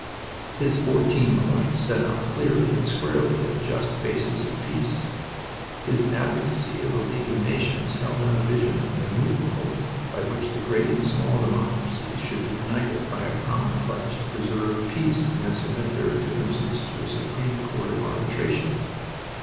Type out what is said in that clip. His Fourteen Points set out clearly and squarely a just basis of peace. His advocacy of a League of Nations held out a vision of a new world by which the great and small democracies should be united by a common pledge to preserve peace and submit their differences to a supreme court of arbitration.